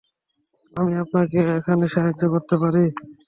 আমি আপনাকে এখানে সাহায্য করতে পারি।